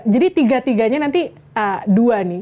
jadi tiga tiganya nanti dua nih